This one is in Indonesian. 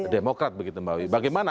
demokrat begitu mbak wiwi bagaimana